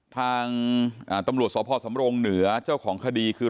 ทางตำรวจสพสำรงเหนือเจ้าของคดีคือ